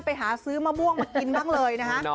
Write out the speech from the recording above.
ไปหาซื้อมะม่วงมากินบ้างเลยนะฮะ